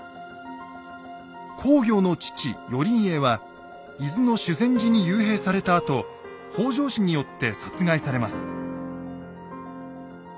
公暁の父・頼家は伊豆の修善寺に幽閉されたあと北条氏によって殺害されます。